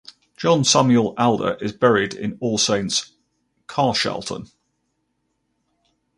John Samuel Alder is buried in All Saints Carshalton.